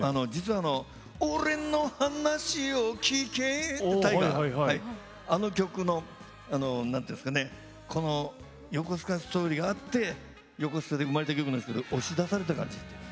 俺の話を聞けあの曲の「横須賀ストーリー」があって横須賀で生まれた曲なんですけど押し出された感じです。